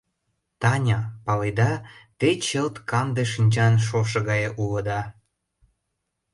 Таня, паледа, те чылт канде шинчан шошо гае улыда.